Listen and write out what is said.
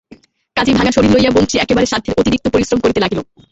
কাজেই ভাঙা শরীর লইয়া বংশী একেবারে সাধ্যের অতিরিক্ত পরিশ্রম করিতে লাগিল।